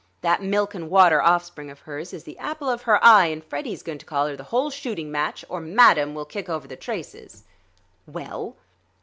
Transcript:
That milk and water offspring of hers is the apple of her eye, and Freddie's going to collar the whole shooting match or madam will kick over the traces." "Well?"